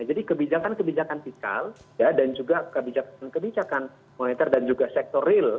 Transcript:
jadi kebijakan kebijakan fiskal dan juga kebijakan monitor dan juga sektor real